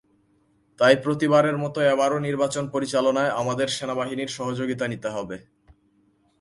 তাই প্রতিবারের মতো এবারও নির্বাচন পরিচালনায় আমাদের সেনাবাহিনীর সহযোগিতা নিতে হবে।